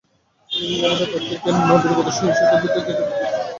আমাদের প্রত্যেকেই নারীর প্রতি সহিংসতার ভীতিকে রুখে দাঁড়াতে অর্থবহ ভূমিকা রাখতে পারেন।